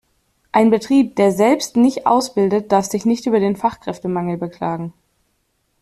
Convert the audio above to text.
Ein Betrieb, der selbst nicht ausbildet, darf sich nicht über den Fachkräftemangel beklagen.